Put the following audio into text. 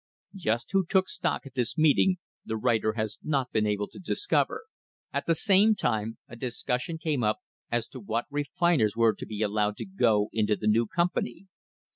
Just who took stock at this meet ing the writer has not been able to discover. At the same time a discussion came up as to what refiners were to be allowed to go into the new company.